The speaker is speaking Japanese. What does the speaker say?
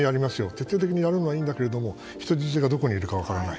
徹底的にやるのはいいんだけど人質がどこにいるのか分からない。